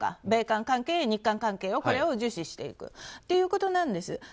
米韓関係、日韓関係を重視していくということなんです。